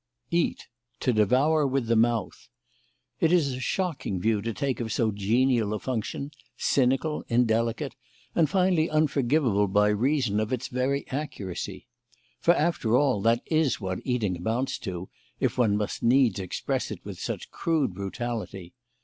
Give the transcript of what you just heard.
"Eat: to devour with the mouth." It is a shocking view to take of so genial a function: cynical, indelicate, and finally unforgivable by reason of its very accuracy. For, after all, that is what eating amounts to, if one must needs express it with such crude brutality.